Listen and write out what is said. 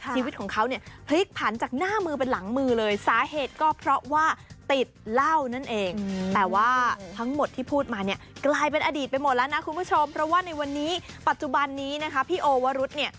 ชีวิตของเขาเนี่ยผลิกผันจากหน้ามือไปหลังมือเลย